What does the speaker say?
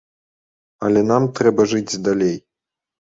Але нам трэба жыць далей.